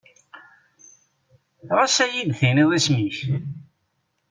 Ɣas ad yi-d-tiniḍ isem-ik?